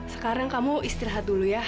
sekarang kamu istirahat dulu ya